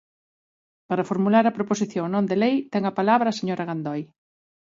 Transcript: Para formular a proposición non de lei ten a palabra a señora Gandoi.